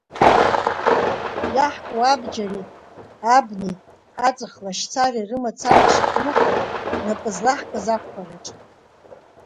Иаҳку абџьари, абнеи, аҵх лашьцареи рымацара шаҳмыхәо напы злаҳкыз ақәԥараҿы.